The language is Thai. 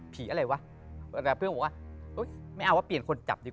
พี่ยังไม่ได้เลิกแต่พี่ยังไม่ได้เลิกแต่พี่ยังไม่ได้เลิก